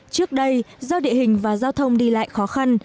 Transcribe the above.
trước đây do địa hình và giao thông đi lại khó khăn